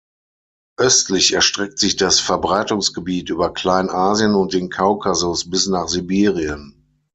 Östlich erstreckt sich das Verbreitungsgebiet über Kleinasien und den Kaukasus bis nach Sibirien.